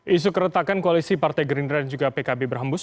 isu keretakan koalisi partai gerindra dan juga pkb berhembus